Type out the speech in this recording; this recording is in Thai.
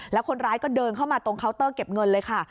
แล้วคนร้ายก็เดินเข้ามาตรงเคาน์เตอร์เก็บเงินเลยค่ะ